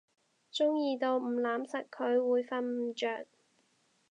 中意到唔攬實佢會瞓唔著